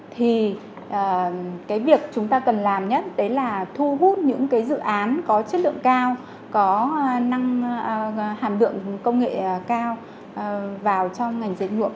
thì cái việc chúng ta cần làm nhất đấy là thu hút những cái dự án có chất lượng cao có năng hàm lượng công nghệ cao vào trong ngành dệt nhuộm